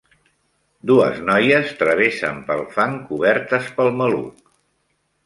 Dues noies travessen pel fang cobertes pel maluc.